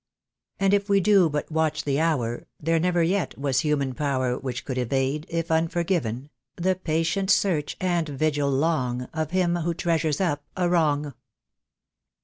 "And if we do but watch the hour, There never yet was human power Which could evade, if unforgiven, The patient search and vigil long Of him who treasures up a wrong."